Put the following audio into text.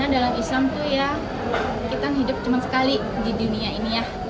dalam islam kita hidup cuma sekali di dunia ini